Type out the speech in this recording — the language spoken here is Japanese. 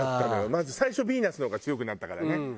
まず最初ヴィーナスの方が強くなったからね。